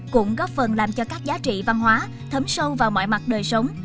cũng góp phần làm cho các giá trị văn hóa thấm sâu vào mọi mặt đời sống